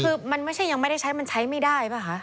คือมันไม่ใช่ยังไม่ได้ใช้มันใช้ไม่ได้ป่ะคะ